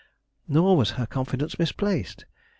Nor was her confidence misplaced.